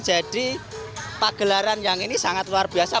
pagelaran yang ini sangat luar biasa